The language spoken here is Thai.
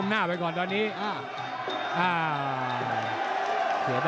ฝ่ายทั้งเมืองนี้มันตีโต้หรืออีโต้